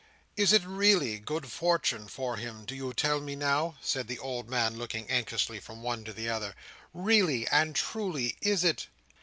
Is it really good fortune for him, do you tell me, now?" said the old man, looking anxiously from one to the other. "Really and truly? Is it?